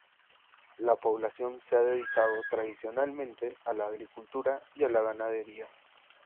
La población se ha dedicado tradicionalmente a la agricultura y la ganadería.